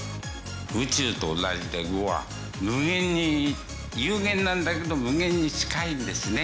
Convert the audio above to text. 宇宙と同じで碁は無限に有限なんだけど無限に近いんですね。